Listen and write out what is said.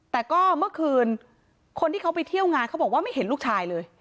แต่ก็เมื่อคืนคนที่เขาไปเที่ยวงานเขาบอกว่าไม่เห็นลูกชายเลย